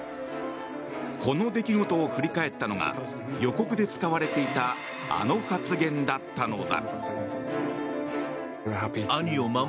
この出来事を振り返ったのが予告で使われていたあの発言だったのだ。